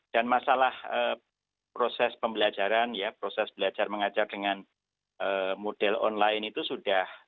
dan masalah proses pembelajaran ya proses belajar mengajar dengan model online itu sudah